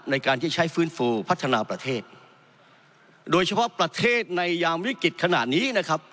ในการที่ใช้ฟื้นฟูพัฒนาประเทศโดยเฉพาะประเทศในยามวิกฤตขณะนี้นะครับ